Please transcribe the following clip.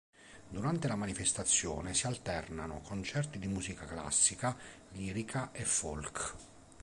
Durante la manifestazione si alternano concerti di musica classica, lirica e folk.